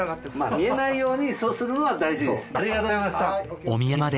見えないように想像するのは大事です。